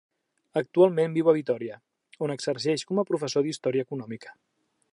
Actualment viu a Vitòria, on exerceix com a professor d'història econòmica.